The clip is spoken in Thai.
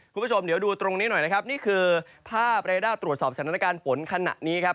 คุณผู้ชมเดี๋ยวดูตรงนี้หน่อยนะครับนี่คือภาพเรด้าตรวจสอบสถานการณ์ฝนขณะนี้ครับ